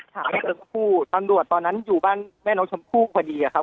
ถามแม่น้องชมพู่ตำรวจตอนนั้นอยู่บ้านแม่น้องชมพู่พอดีครับ